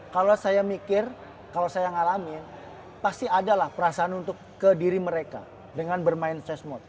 kalau saya mikir kalau saya ngalamin pasti adalah perasaan untuk ke diri mereka dengan bermain sosmed